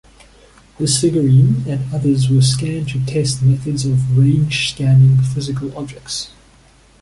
This figurine and others were scanned to test methods of range scanning physical objects.